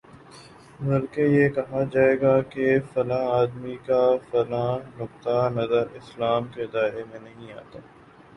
بلکہ یہ کہا جائے گا کہ فلاں آدمی کا فلاں نقطۂ نظر اسلام کے دائرے میں نہیں آتا